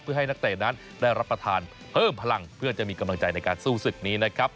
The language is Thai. เพื่อให้นักเตะนั้นได้รับประทานเพิ่มพลังเพื่อจะมีกำลังใจในการสู้ศึกนี้นะครับ